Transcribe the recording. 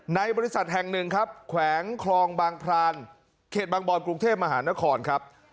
บริษัทแห่งหนึ่งครับแขวงคลองบางพรานเขตบางบอนกรุงเทพมหานครครับ